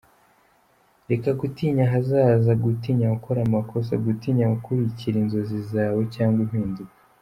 Reka gutinya ahazaza, gutinya gukora amakosa, gutinya gukurikira inzozi zawe cyangwa impinduka.